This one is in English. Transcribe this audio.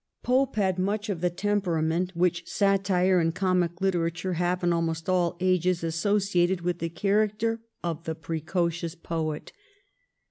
^ Pope had much of the temperament which satire and comic literature have in almost all ages associated with the character of the precocious poet.